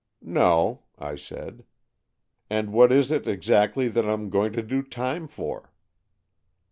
"No," I said. "And what is it exactly that I'm going to do time for?